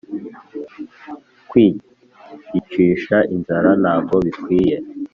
kwiyicisha inzara ntago bikwiye.